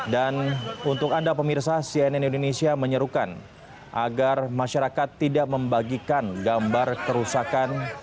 dan untuk anda pemirsa cnn indonesia menyerukan agar masyarakat tidak membagikan gambar kerusakan